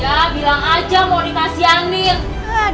ya bilang aja mau dikasihanin